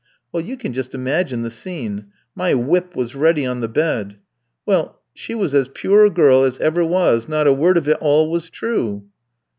Well, you can just imagine the scene. My whip was ready on the bed. Well, she was as pure a girl as ever was, not a word of it all was true."